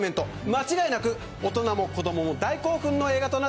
間違いなく大人も子どもも大興奮の映画です。